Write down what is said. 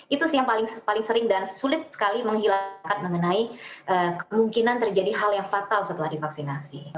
itu sih yang paling sering dan sulit sekali menghilangkan mengenai kemungkinan terjadi hal yang fatal setelah divaksinasi